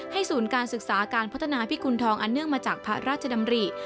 ศูนย์การศึกษาการพัฒนาพิกุณฑองอันเนื่องมาจากพระราชดำริ